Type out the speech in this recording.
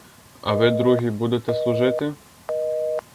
А ви другі будете служити?